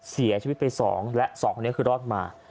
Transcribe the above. เสียชีวิตไป๒และ๒คนนี้คือรอดมา